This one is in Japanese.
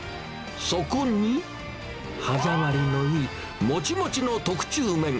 そこに、歯触りのいいもちもちの特注麺。